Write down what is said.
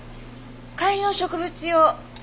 観葉植物用。